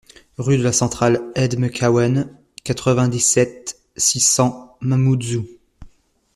RUE DE LA CENTRALE EDM KAWEN, quatre-vingt-dix-sept, six cents Mamoudzou